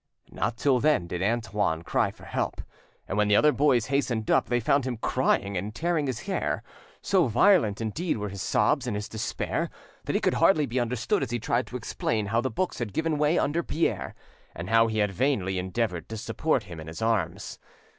Not till then did Antoine cry for help, and when the other boys hastened up they found him crying and tearing his hair. So violent indeed were his sobs and his despair that he could hardly be understood as he tried to explain how the books had given way under Pierre, and how he had vainly endeavoured to support him in his arms.